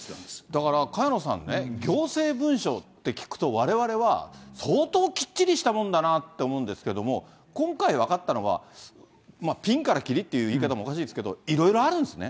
だから、萱野さんね、行政文書って聞くと、われわれは相当きっちりしたもんだなって思うんですけども、今回は分かったのは、ピンからキリっていういい方もおかしいですけど、いろいろあるんですね。